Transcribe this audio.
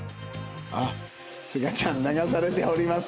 あっすがちゃん流されております。